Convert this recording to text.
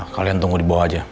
kalian tunggu di bawah aja